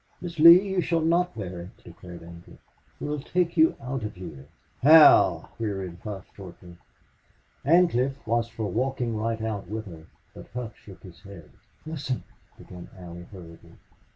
"Miss Lee, you shall not bear it," declared Ancliffe. "We'll take you out of here." "How?" queried Hough, shortly. Ancliffe was for walking right out with her, but Hough shook his head. "Listen," began Allie, hurriedly.